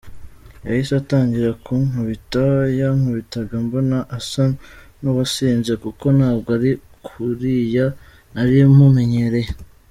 Yahise atangira kunkubita, yankubitaga mbona asa n’uwasinze kuko ntabwo ari kuriya nari mumenyereye.